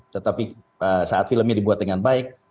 tetapi saat filmnya dibuat dengan baik